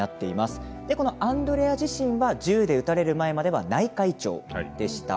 アンドレア自身、銃で撃たれる前までは、内科医長でした。